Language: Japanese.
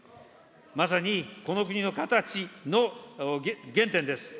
まさにこの国のかたちの原点です。